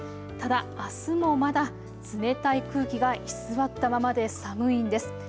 ただ、あすもまだ冷たい空気が居座ったままで寒いんです。